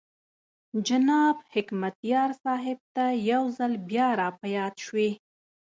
جناب حکمتیار صاحب ته یو ځل بیا را په یاد شوې.